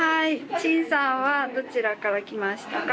チンさんはどちらから来ましたか？